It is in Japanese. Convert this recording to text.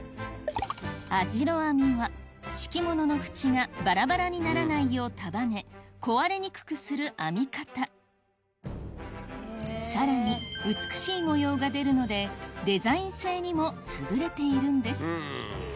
網代編みは敷物の縁がバラバラにならないようさらに美しい模様が出るのでデザイン性にも優れているんです